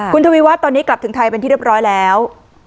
คุณทวีวัฒน์ตอนนี้กลับถึงไทยเป็นที่เรียบร้อยแล้ว